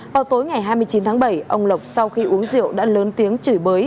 vào tối ngày hai mươi chín tháng bảy ông lộc sau khi uống rượu đã lớn tiếng chửi bới